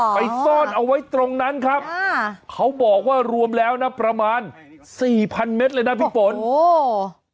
ซ่อนเอาไว้ตรงนั้นครับอ่าเขาบอกว่ารวมแล้วนะประมาณสี่พันเมตรเลยนะพี่ฝนโอ้